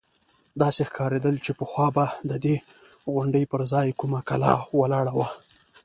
داسې ښکارېدل چې پخوا به د دې غونډۍ پر ځاى کومه کلا ولاړه وه.